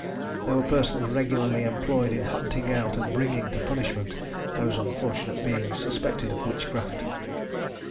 There were persons regularly employed in hunting out, and bringing to punishment, those unfortunate beings suspected of witchcraft.